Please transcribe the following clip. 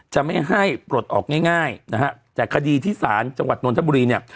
จะไม่ให้ปลดออกง่ายนะฮะแต่คดีที่ศาลจังหวัดนทบุรีเนี่ย